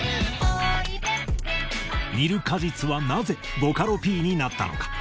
煮ル果実はなぜボカロＰになったのか。